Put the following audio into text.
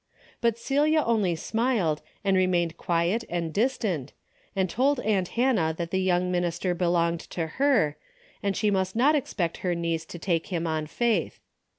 But Celia only smiled, and remained quiet and distant, and told aunt Hannah that the young minister belonged to her, and she must not expect her niece to take him on faith.